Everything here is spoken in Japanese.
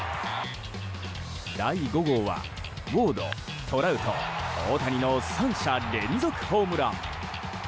第５号はウォード、トラウト、大谷の３者連続ホームラン。